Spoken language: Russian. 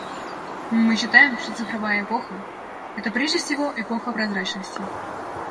Мы считаем, что цифровая эпоха — это прежде всего эпоха прозрачности.